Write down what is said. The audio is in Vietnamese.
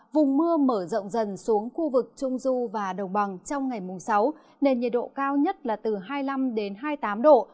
vùng mưa mở rộng dần xuống khu vực trung du và đồng bằng trong ngày mùng sáu nền nhiệt độ cao nhất là từ hai mươi năm hai mươi tám độ